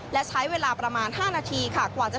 และกว่าไปให้เวลาประมาณห้านาทีของกว่าจะ